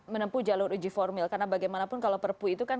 menempuh jalur uji formil karena bagaimanapun kalau perpu itu kan